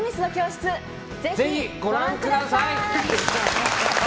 ぜひご覧ください。